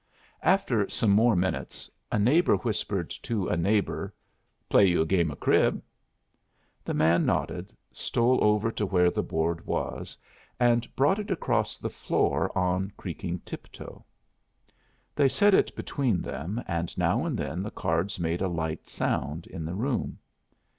After some more minutes a neighbor whispered to a neighbor, "Play you a game of crib." The man nodded, stole over to where the board was, and brought it across the floor on creaking tip toe. They set it between them, and now and then the cards made a light sound in the room.